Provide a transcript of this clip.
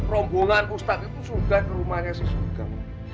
rombongan ustadz itu sudah ke rumahnya si sugong